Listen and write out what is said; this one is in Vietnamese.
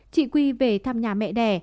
chị quy về thăm nhà mẹ đẻ